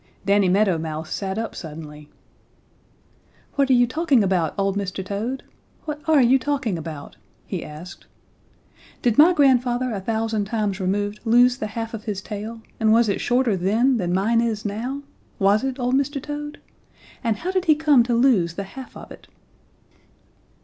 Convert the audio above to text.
Danny Meadow Mouse sat up suddenly. "What are you talking about, old Mr. Toad? What are you talking about?" he asked. "Did my grandfather a thousand times removed lose the half of his tail, and was it shorter then than mine is now? Was it, old Mr. Toad? And how did he come to lose the half of it?"